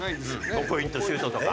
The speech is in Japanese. ５ポイントシュートとか。